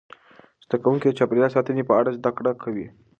زده کوونکي د چاپیریال ساتنې په اړه زده کړه کوي.